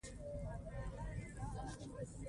مزارشریف د افغان ماشومانو د لوبو موضوع ده.